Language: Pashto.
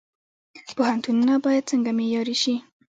پوهنتونونه باید څنګه معیاري شي؟